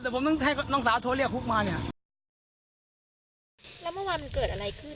แต่ผมต้องให้น้องสาวโทรเรียกฮุกมาเนี่ย